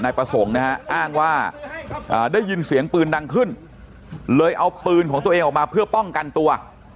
ประสงค์นะฮะอ้างว่าได้ยินเสียงปืนดังขึ้นเลยเอาปืนของตัวเองออกมาเพื่อป้องกันตัว